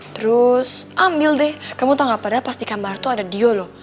terus ambil deh kamu tau gak pada pas di kamar tuh ada dio loh